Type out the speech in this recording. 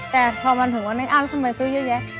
แต่พอมันถึงวันนี้อ้าวเราต้องไปซื้อเยอะแยะ